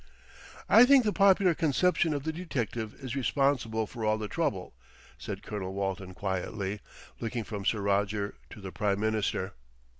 "I think the popular conception of the detective is responsible for all the trouble," said Colonel Walton quietly, looking from Sir Roger to the Prime Minister.